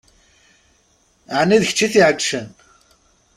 Ɛni d kečč i t-iɛeggcen?